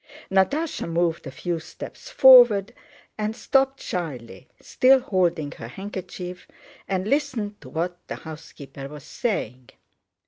Natásha moved a few steps forward and stopped shyly, still holding her handkerchief, and listened to what the housekeeper was saying.